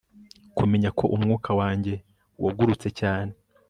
kumenya ko umwuka wanjye wagurutse cyane